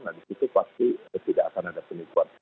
nah di situ pasti tidak akan ada penipuan